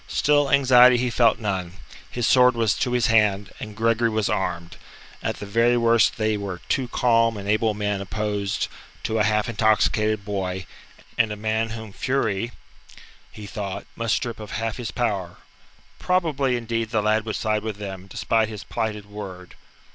Still, anxiety he felt none; his sword was to his hand, and Gregory was armed; at the very worst they were two calm and able men opposed to a half intoxicated boy, and a man whom fury, he thought, must strip of half his power. Probably, indeed, the lad would side with them, despite his plighted word.